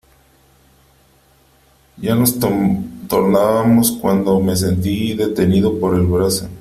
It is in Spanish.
ya nos tornábamos , cuando me sentí detenido por el brazo .